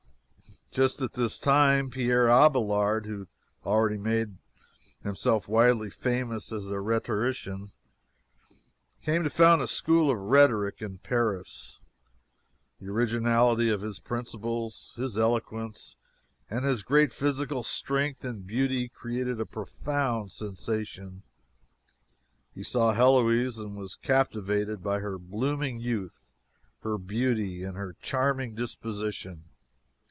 Just at this time, Pierre Abelard, who had already made himself widely famous as a rhetorician, came to found a school of rhetoric in Paris. The originality of his principles, his eloquence, and his great physical strength and beauty created a profound sensation. He saw Heloise, and was captivated by her blooming youth, her beauty, and her charming disposition.